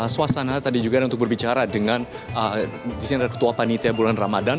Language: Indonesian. suasana tadi juga untuk berbicara dengan di sini ada ketua panitia bulan ramadan